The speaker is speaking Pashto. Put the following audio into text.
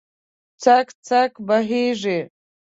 څک، څک بهیږې